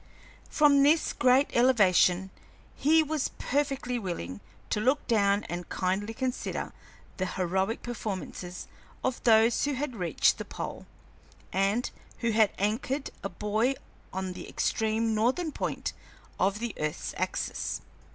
From this great elevation he was perfectly willing to look down and kindly consider the heroic performances of those who had reached the pole, and who had anchored a buoy on the extreme northern point of the earth's axis.